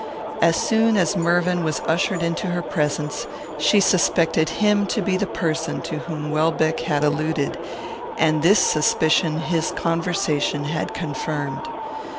As soon as Mervyn was ushered into her presence, she suspected him to be the person to whom Welbeck had alluded, and this suspicion his conversation had confirmed.